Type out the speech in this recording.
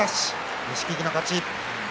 錦木の勝ち。